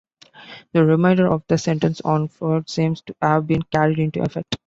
The remainder of the sentence on Floyd seems to have been carried into effect.